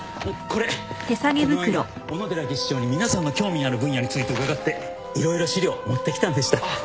この間小野寺技師長に皆さんの興味ある分野について伺って色々資料持ってきたんでした。